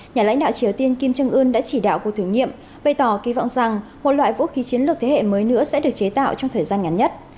nhà lãnh đạo triều tiên kim trương ương đã chỉ đạo cuộc thử nghiệm bày tỏ kỳ vọng rằng một loại vũ khí chiến lược thế hệ mới nữa sẽ được chế tạo trong thời gian ngắn nhất